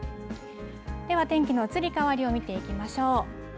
では天気の移り変わりを見ていきましょう。